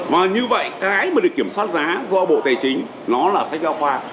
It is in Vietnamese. và như vậy cái mà được kiểm soát giá do bộ tài chính nó là sách giáo khoa